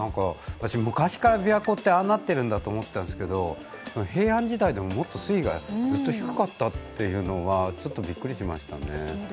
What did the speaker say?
私、昔から琵琶湖ってああなってるんだと思ってたんですけど、平安時代でももっと水位がずっと低かったっていうのはちょっとびっくりしましたね。